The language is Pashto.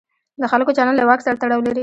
د خلکو چلند له واک سره تړاو لري.